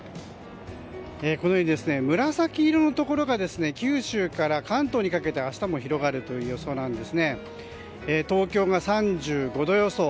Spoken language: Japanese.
このように紫色のところが九州から関東にかけて明日も広がるという予想で東京が３５度予想